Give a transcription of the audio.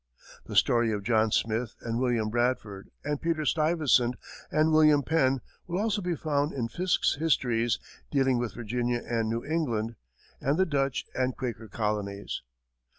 The story of John Smith and William Bradford and Peter Stuyvesant and William Penn will also be found in Fiske's histories dealing with Virginia and New England and the Dutch and Quaker colonies.